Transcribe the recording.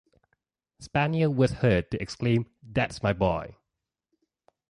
Spanier was heard to exclaim "that's my boy."